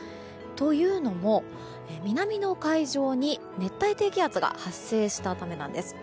というのも、南の海上に熱帯低気圧が発生したためなんです。